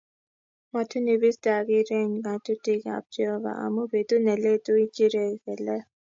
Matun ipiste akireny ngatuki ab Jeovah amu betut neletu ichire kelek